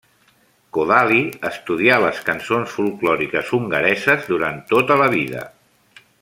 Kodály estudià les cançons folklòriques hongareses durant tota la vida.